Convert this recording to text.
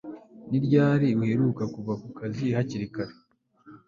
Ni ryari uheruka kuva ku kazi hakiri kare